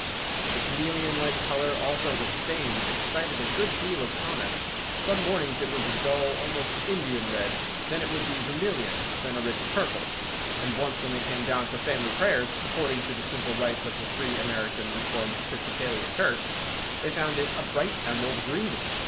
The chameleon like colour, also, of the stain excited a good deal of comment. Some mornings it was a dull (almost Indian) red, then it would be vermilion, then a rich purple, and once when they came down for family prayers, according to the simple rites of the Free American Reformed Episcopalian Church, they found it a bright emerald green.